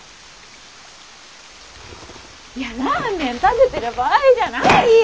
いやラーメン食べてる場合じゃないよ！